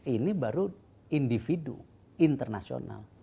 ini baru individu internasional